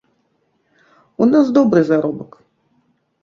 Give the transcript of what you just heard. У нас добры заробак.